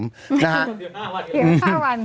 ไม่ถึงสิบห้าวัน